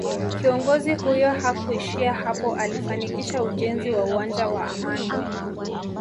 Kiongozi huyo hakuishia hapo alifanikisha ujenzi wa uwanja wa Amani